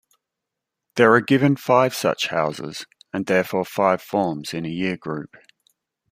There are given five such houses and therefore five forms in a year group.